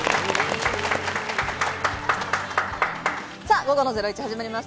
午後の『ゼロイチ』始まりました。